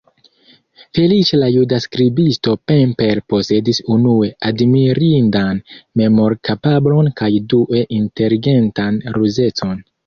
Feliĉe la juda skribisto Pemper posedis unue admirindan memorkapablon kaj due inteligentan ruzecon.